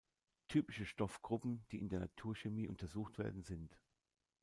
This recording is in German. Typische Stoffgruppen, die in der Naturstoffchemie untersucht werden, sind